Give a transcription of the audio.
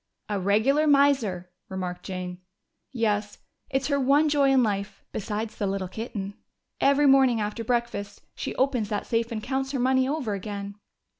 "A regular miser," remarked Jane. "Yes. It's her one joy in life besides the little kitten. Every morning after breakfast she opens that safe and counts her money over again."